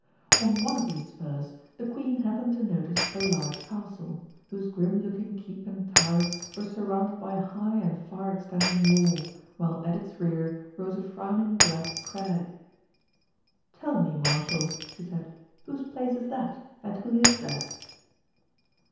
On one of these spurs the Queen happened to notice a large castle, whose grim looking keep and towers were surrounded by a high and far extending wall, while at its rear rose a frowning black crag. "Tell me, Marshal," she said, "whose place is that, and who lives there?"